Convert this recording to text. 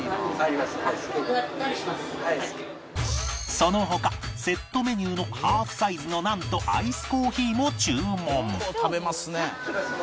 その他セットメニューのハーフサイズのナンとアイスコーヒーも注文